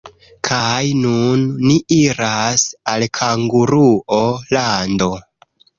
Kaj nun ni iras al Kanguruo-lando.